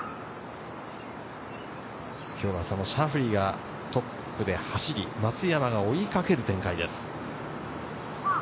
今日はシャフリーがトップで走り、松山が追いかける展開です。